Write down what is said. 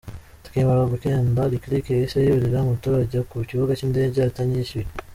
Tukimara kugenda, Lick Lick yahise yurira moto ajya ku kibuga cy’indege atanyishyuye.